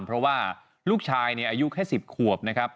เพราะว่าลูกชายอายุแค่๑๐ขวบนะครับ